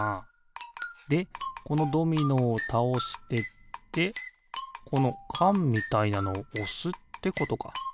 でこのドミノをたおしてってこのかんみたいなのをおすってことか。